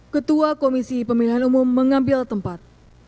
ketua komisi pemilihan umum mengambil tempat